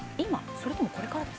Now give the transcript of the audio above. それともこれからです？